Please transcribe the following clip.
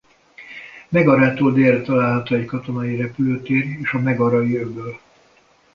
Megarától délre található egy katonai repülőtér és a Megarai-öböl.